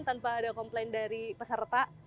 tanpa ada komplain dari peserta